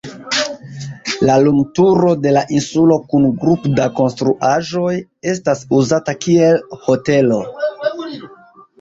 La lumturo de la insulo kun grupo da konstruaĵoj etas uzata kiel hotelo.